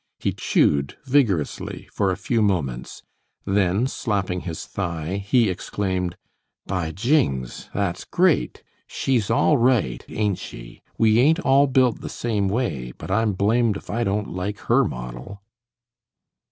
He chewed vigorously for a few moments, then, slapping his thigh, he exclaimed: "By jings! That's great. She's all right, ain't she? We ain't all built the same way, but I'm blamed if I don't like her model."